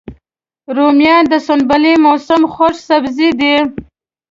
رومیان د سنبلې موسم خوږ سبزی دی